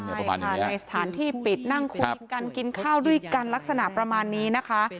ภายในสถานที่ปิดนั่งคุยกันกินข้าวด้วยกันลักษณะประมาณนี้นะคะ